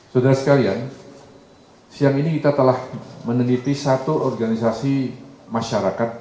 saudara sekalian siang ini kita telah meneliti satu organisasi masyarakat